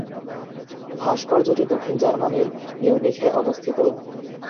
ভাস্কর্যটি দক্ষিণ জার্মানির মিউনিখে অবস্থিত।